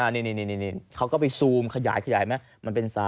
นี่เขาก็ไปซูมขยายมันเป็น๓๓๔